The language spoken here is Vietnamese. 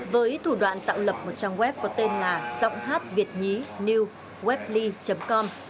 với thủ đoạn tạo lập một trang web có tên là giọnghátviệtnhínewwebley com